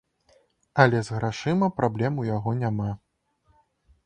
Але з грашыма праблем у яго няма.